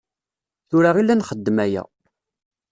Tura i la nxeddem aya.